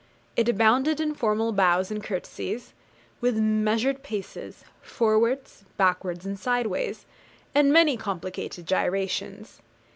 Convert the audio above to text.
It abounded in formal bows and courtesies, with measured paces, forwards, backwards and sideways, and many complicated gyrations.